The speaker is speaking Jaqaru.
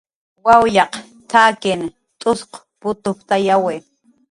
"Wawyaq t""akin t'usq putuptayawi"